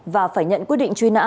và phải nhận quyết định truy nã